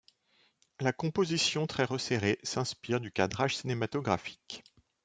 La composition très resserrée s'inspire du cadrage cinématographique.